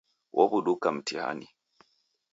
Wowuduka mtihani